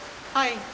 はい。